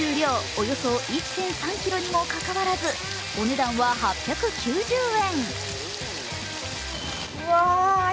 およそ１．３ｋｇにもかかわらずお値段は８９０円。